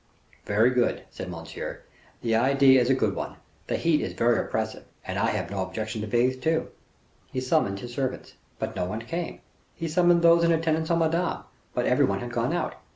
"Very good," said Monsieur, "the idea is a good one; the heat is very oppressive, and I have no objection to bathe, too." He summoned his servants, but no one came. He summoned those in attendance on Madame, but everybody had gone out.